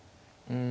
うん。